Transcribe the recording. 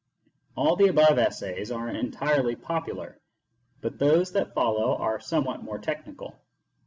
All the above essays are entirely popular, but those that follow are somewhat more technical.